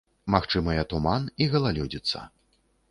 Магчымыя туман і галалёдзіца.